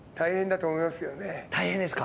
大変ですか？